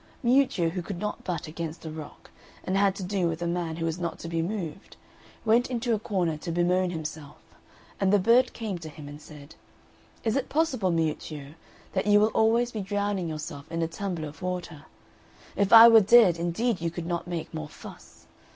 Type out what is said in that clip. Miuccio, who could not butt against a rock, and had to do with a man who was not to be moved, went into a corner to bemoan himself; and the bird came to him and said, "Is it possible, Miuccio, that you will always be drowning yourself in a tumbler of water? If I were dead indeed you could not make more fuss.